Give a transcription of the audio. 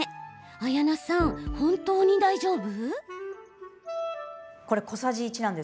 綾菜さん、本当に大丈夫？